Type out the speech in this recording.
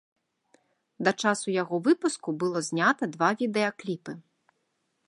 Да часу яго выпуску было знята два відэакліпы.